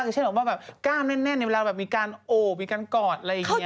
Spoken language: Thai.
คือเช่นแบบกล้ามแน่นในเวลามีการโอบมีการกอดอะไรอย่างนี้